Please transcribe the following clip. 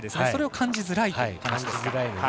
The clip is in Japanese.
それを感じづらいという話ですね。